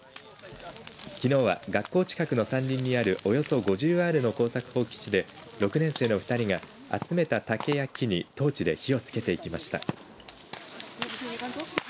きのうは学校近くの山林にあるおよそ５０アールの耕作放棄地で６年生の２人が、集めた竹や木にトーチで火をつけていきました。